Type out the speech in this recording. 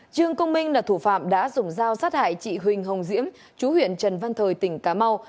trương công minh là thủ phạm đã dùng dao sát hại chị huỳnh hồng diễm chú huyện trần văn thời tỉnh cà mau